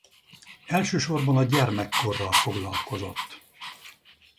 Elsősorban a gyermekkorral foglalkozott.